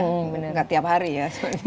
gak tiap hari ya